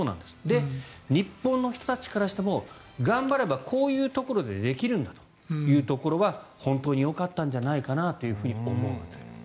で、日本の人たちからしても頑張ればこういうところでできるんだというのは本当によかったんじゃないかなというふうに思うと。